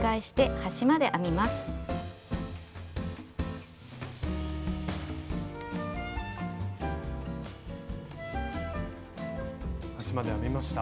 端まで編めました。